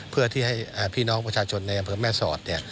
เพื่อที่ให้พี่น้องประชาชนในอำเภอแม่สอด